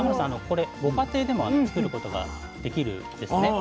これご家庭でも作ることができるんですね。